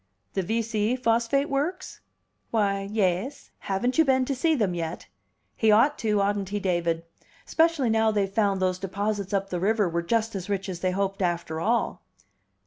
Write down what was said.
"The V C phosphate works?" "Why, yais. Haven't you been to see them yet? He ought to, oughtn't he, David? 'Specially now they've found those deposits up the river were just as rich as they hoped, after all."